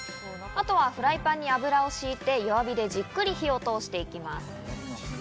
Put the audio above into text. あとはフライパンに油をしいて、弱火でじっくり火を通していきます。